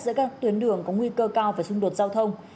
giữa các tuyến đường có nguy cơ cao và xung đột giao thông